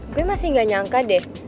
gue masih gak nyangka deh